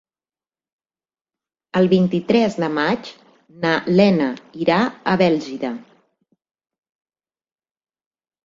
El vint-i-tres de maig na Lena irà a Bèlgida.